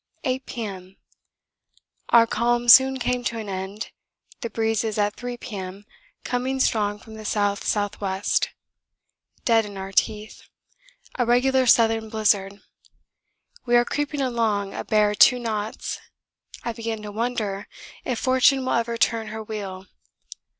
8 P.M. Our calm soon came to an end, the breeze at 3 P.M. coming strong from the S.S.W., dead in our teeth a regular southern blizzard. We are creeping along a bare 2 knots. I begin to wonder if fortune will ever turn her wheel.